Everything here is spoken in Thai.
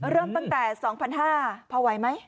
เริ่มตั้งแต่สองพันห้าพอไว้ไหม